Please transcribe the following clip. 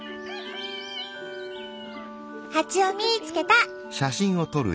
ハチを見つけた！